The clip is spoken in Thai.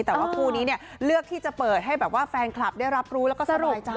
แต่ว่าคู่นี้เนี่ยเลือกที่จะเปิดให้แบบว่าแฟนคลับได้รับรู้แล้วก็สะดวกใจ